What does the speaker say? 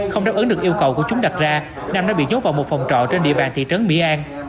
không đáp ứng được yêu cầu của chúng đặt ra nam đã bị dốt vào một phòng trọ trên địa bàn thị trấn mỹ an